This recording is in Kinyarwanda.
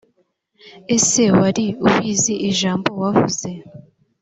ese wari ubizi ijambo wavuze.